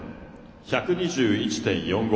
１２１．４５。